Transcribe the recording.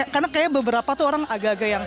karena kayaknya beberapa tuh orang agak agak yang